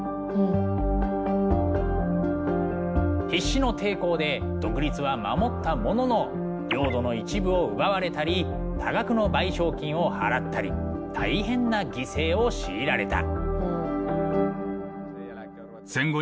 必死の抵抗で独立は守ったものの領土の一部を奪われたり多額の賠償金を払ったり大変な犠牲を強いられた。